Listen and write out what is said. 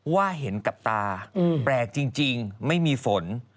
ว่าเห็นกับตาแปลกจริงไม่มีฝน